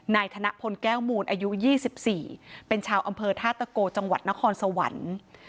ธนพลแก้วมูลอายุ๒๔เป็นชาวอำเภอธาตะโกจังหวัดนครสวรรค์